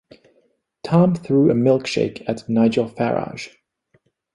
Tom threw a milkshake at Nigel Farage.